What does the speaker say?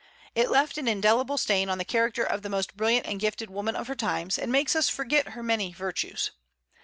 It left an indelible stain on the character of the most brilliant and gifted woman of her times, and makes us forget her many virtues.